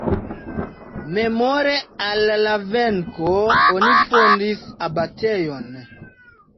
Memore al la venko oni fondis abatejon.